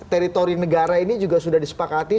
teritori negara ini juga sudah disepakati